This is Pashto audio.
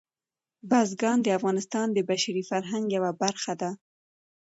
بزګان د افغانستان د بشري فرهنګ یوه برخه ده.